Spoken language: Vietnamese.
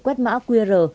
quét mã qr